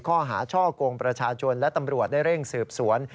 ข้อหาช่อกงประชาชนและตำรวจได้เร่งสืบสวน